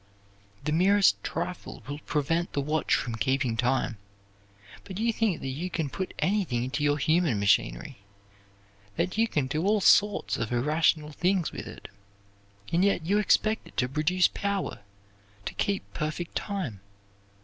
The merest trifle will prevent the watch from keeping time; but you think that you can put anything into your human machinery, that you can do all sorts of irrational things with it, and yet you expect it to produce power to keep perfect time.